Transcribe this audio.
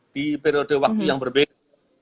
di periode waktu yang berbeda